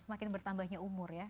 semakin bertambahnya umur ya